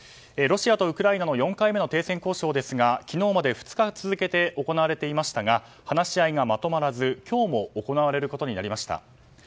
ロシアとウクライナの４回目の停戦交渉ですが昨日まで２日続けて行われていましたが話し合いがまとまらず今日も行われることになりました。